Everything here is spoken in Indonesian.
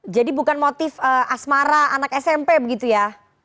jadi bukan motif asmara anak smp begitu ya